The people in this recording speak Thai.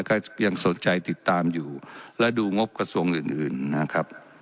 ก็ยังสนใจติดตามอยู่และดูงบกระทรวงอื่นอื่นนะครับ